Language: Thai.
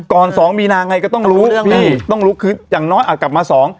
ก่อน๒มีนาไงก็ต้องรู้ต้องรู้คืออย่างน้อยอ่ะกลับมา๒